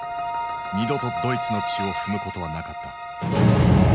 二度とドイツの地を踏むことはなかった。